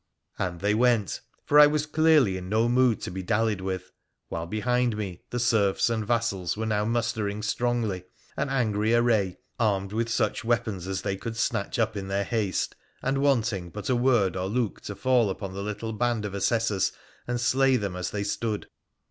' And they went, for I was clearly in no mood to be dallied with, while behind me the serfs and vassals were now muster ing strongly, an angry array armed with such weapons as they could snatch up in their haste, and wanting but a word or look to fall upon the little band of assessors and slay them as they stood.